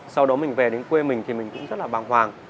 sau đó mình về đến quê mình thì mình cũng rất là bàng hoàng